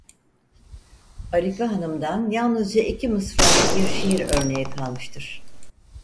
Arife Hanımdan yalnızca iki mısralık bir şiir örneği kalmıştır.